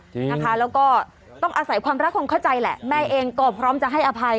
จริงนะคะแล้วก็ต้องอาศัยความรักความเข้าใจแหละแม่เองก็พร้อมจะให้อภัย